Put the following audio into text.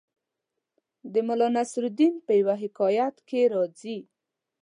د ملا نصرالدین په یوه حکایت کې راځي